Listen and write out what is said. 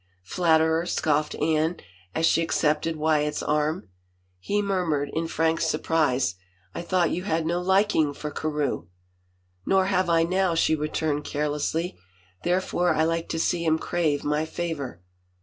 " Flatterer I " scoffed Anne, as she accepted Wyatt's arm. He murmured, in frank surprise, " I thought you had no liking for Carewe ?"" Nor have I now," she returned carelessly. " There fore I like to see him crave my favor."